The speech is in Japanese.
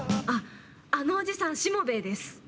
あっあのおじさんしもべえです。